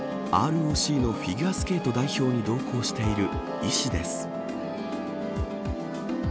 ＲＯＣのフィギュアスケート代表に同行している医師です。